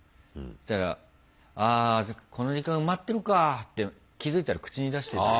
そしたら「ああこの時間埋まってるかぁ」って気付いたら口に出してた。